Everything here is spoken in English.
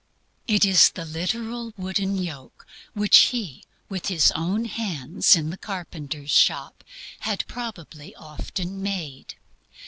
It is the literal wooden yoke which He, with His own hands in the carpenter shop, had probably often made.